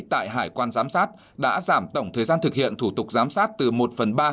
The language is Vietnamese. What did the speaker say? tại hải quan giám sát đã giảm tổng thời gian thực hiện thủ tục giám sát từ một phần ba